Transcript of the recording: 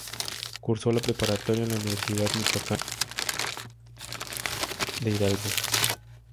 Curso la preparatoria en la Universidad Michoacana de San Nicolás de Hidalgo.